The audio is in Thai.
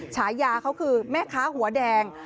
ฉายาเขาคือแม่ค้าหัวแดง